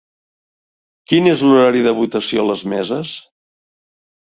Quin és l’horari de votació a les meses?